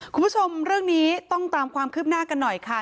คุณผู้ชมเรื่องนี้ต้องตามความคืบหน้ากันหน่อยค่ะ